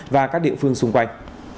và các địa phương xung quanh